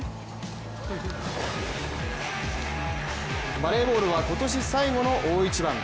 バレーボールは今年最後の大一番。